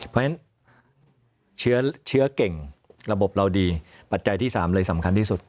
เพราะฉะนั้นเชื้อเก่งระบบเราดีปัจจัยที่๓เลยสำคัญที่สุด